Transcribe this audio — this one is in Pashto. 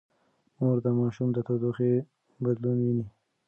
مور د ماشوم د تودوخې بدلون ويني.